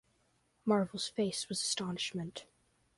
Marvel's face was astonishment.